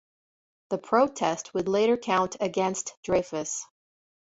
The protest would later count against Dreyfus.